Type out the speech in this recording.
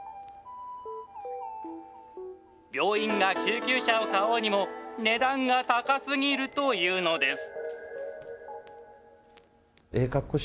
病院が救急車を買おうにも、値段が高すぎるというのです。